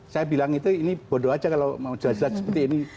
saya bilang itu ini bodoh aja kalau mau jelas jelas seperti ini